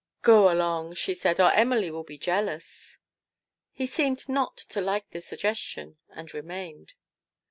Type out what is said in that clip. " Go along," she said, " or Emily will be jealous !" He seemed not to like the suggestion, and remained.